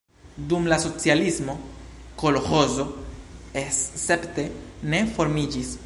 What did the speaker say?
Dum la socialismo kolĥozo escepte ne formiĝis.